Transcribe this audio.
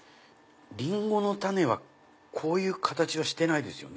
リンゴの種はこういう形はしてないですよね。